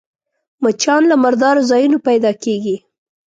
مچان له مردارو ځایونو پيدا کېږي